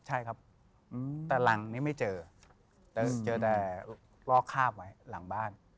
ใช่ครับแต่หลังนี้ไม่เจอแต่เจอแต่ลอกคาบไว้หลังบ้าน